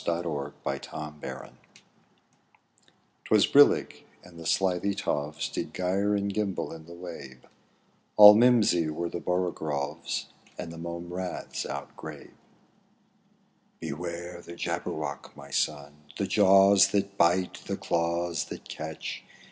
Edward Lear, JABBERWOCKY 'TwAS brillig, and the slithy toves Did gyre and gimble in the wabe; All mi rosy were the borogoves, And the mome raths outgrabe. ''Beware the Jabberwock, my son! The jaws that bite, the claws that catch!